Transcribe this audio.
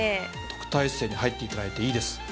特待生に入っていただいていいです。